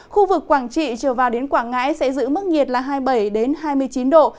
khu vực quảng trị trở vào đến quảng ngãi sẽ giữ mức nhiệt là hai mươi bảy hai mươi chín độ